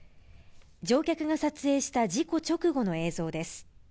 乗客が撮影した事故直後の映像です。